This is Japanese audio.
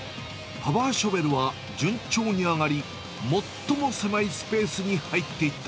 パワーショベルは順調に上がり、最も狭いスペースに入っていった。